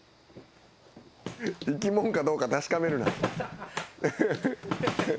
生き物かどうか確かめるな。